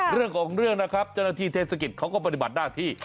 เรื่องของเรื่องนะครับเจ้าหน้าที่เทศกิจเขาก็ปฏิบัติหน้าที่